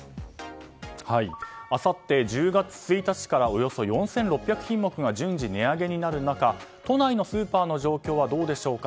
あさって１０月１日からおよそ４６００品目が順次、値上げになる中都内のスーパーの状況はどうでしょうか。